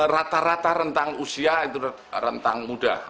rata rata rentang usia itu rentang muda